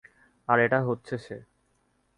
আর এটা হচ্ছে সে।